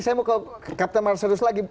saya mau ke kapten marcelus lagi